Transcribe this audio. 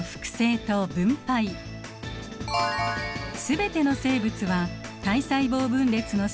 全ての生物は体細胞分裂の際